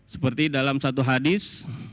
seperti dalam satu hadis